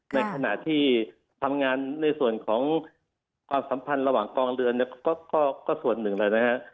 ในขณะที่ทำงานในส่วนของความสัมพันธ์ระหว่างกองเรือนเนี่ยก็ส่วนหนึ่งแล้วนะฮะ